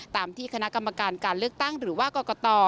ตามที่คณะกรรมการการเลือกตั้งหรือว่ากรกต